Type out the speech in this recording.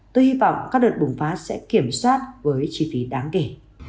tôi hy vọng các đợt bùng phát sẽ kiểm soát với chi phí đáng kể